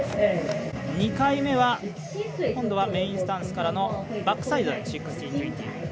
２回目は、今度はメインスタンスからのバックサイド１６２０。